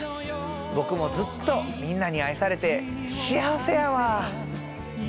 僕もずっとみんなに愛されて幸せやわ。